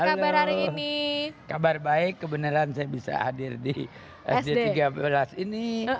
kabar hari ini kabar baik kebenaran saya bisa hadir di sd tiga belas ini